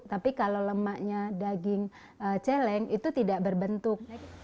tapi kalau lemaknya daging celeng itu tidak berbentuk